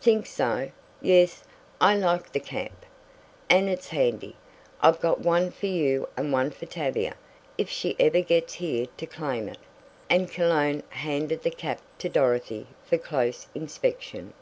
"Think so? Yes, I like the cap, and it's handy. I've got one for you and one for Tavia if she ever gets here to claim it," and Cologne handed the cap to Dorothy for close inspection.